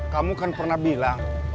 kamu kan pernah bilang